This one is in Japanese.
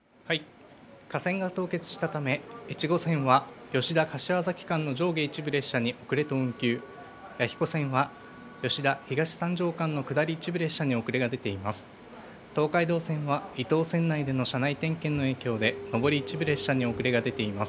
架線が凍結したため、越後線は吉田・柏崎間の上下一部列車に遅れと運休、弥彦線は吉田・東三条間の下り一部列車に遅れが出ています。